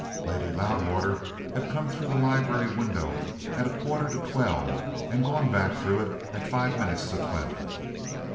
Lady Loudwater had come through the library window at a quarter to twelve, and gone back through it at five minutes to twelve.